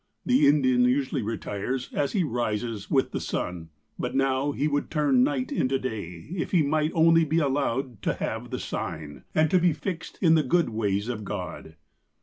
The Indian usually retires, as he rises, with the sun ; but now he would turn night into day, if he might only be allowed to ' have the sign,' and be fixed in * the good ways of God.'